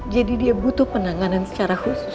jadi dia butuh penanganan secara khusus